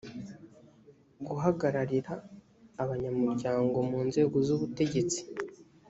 guhagararira abanyamuryango mu nzego z ubutegetsi